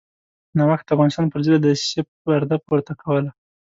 نوښت د افغانستان پرضد له دسیسې پرده پورته کوله.